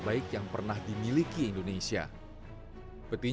saya harus menahan sakit setiap muntul